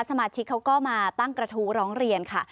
สมาชิกเขาก็มาตั้งกระทู้ร้องเรียนค่ะ